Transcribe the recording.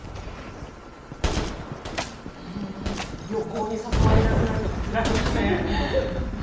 旅行に誘われなくなるとかつらいですね。